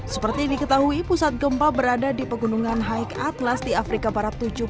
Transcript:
seperti diketahui pusat gempa berada di pegunungan haik atlas di afrika barat tujuh puluh dua